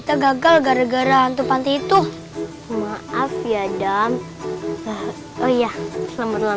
terima kasih ya teman teman